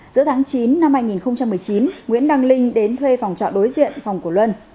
giữa tháng chín năm hai nghìn một mươi chín nguyễn đăng linh đến thuê phòng trọ đối diện phòng của luân